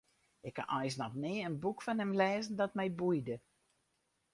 Ik ha eins noch nea in boek fan him lêzen dat my boeide.